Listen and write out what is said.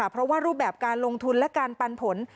เพราะว่ารูปแบบการลงทุนและการปันผล